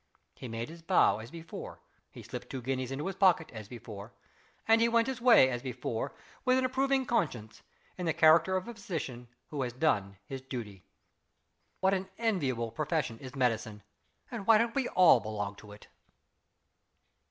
He made his bow, as before he slipped two guineas into his pocket, as before and he went his way, as before, with an approving conscience, in the character of a physician who had done his duty. (What an enviable profession is Medicine! And why don't we all belong to it?)